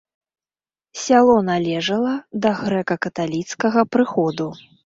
Сяло належала да грэка-каталіцкага прыходу.